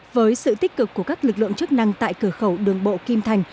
với sự tích cực của các lực lượng chức năng tại cửa khẩu đường bộ kim thành